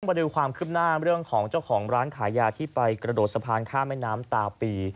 มาดูความคืบหน้าเรื่องของเจ้าของร้านขายยาที่ไปกระโดดสะพานข้ามแม่น้ำตาปี